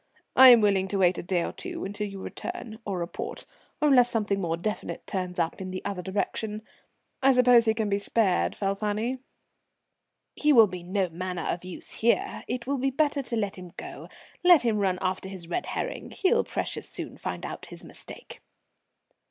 "I am willing to wait a day or two until you return or report, or unless something more definite turns up in the other direction. I suppose he can be spared, Falfani?" "He will be no manner of use here, it will be better to let him go; let him run after his red herring, he'll precious soon find out his mistake."